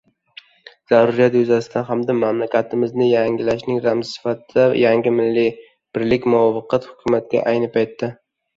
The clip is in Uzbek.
Zarurat yuzasidan hamda mamlakatimizni yangilashning ramzi sifatida yangi Milliy birlik muvaqqat hukumati ayni paytda